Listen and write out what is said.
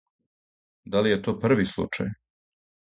Да ли је то први случај?